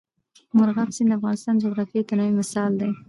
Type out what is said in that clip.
مورغاب سیند د افغانستان د جغرافیوي تنوع مثال دی.